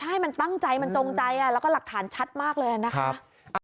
ใช่มันตั้งใจมันจงใจแล้วก็หลักฐานชัดมากเลยนะคะ